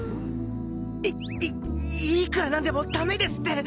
いいいくらなんでもダメですって！